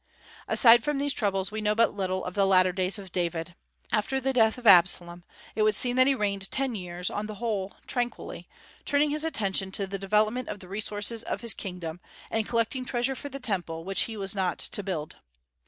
Aside from these troubles, we know but little of the latter days of David. After the death of Absalom, it would seem that he reigned ten years, on the whole tranquilly, turning his attention to the development of the resources of his kingdom, and collecting treasure for the Temple, which he was not to build.